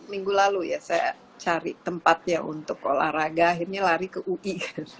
minggu lalu ya saya cari tempatnya untuk olahraga akhirnya lari ke ui